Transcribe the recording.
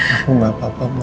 aku tidak apa apa ma